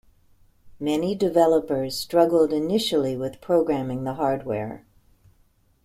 Many developers struggled initially with programming the hardware.